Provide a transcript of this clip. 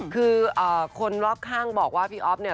คือคนรอบข้างบอกว่าพี่อ๊อฟเนี่ย